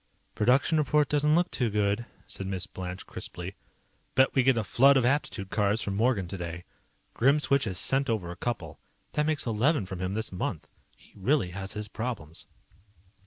"Production report doesn't look too good," said Miss Blanche, crisply. "Bet we get a flood of aptitude cards from Morgan today. Grimswitch has sent over a couple. That makes eleven from him this month. He really has his problems."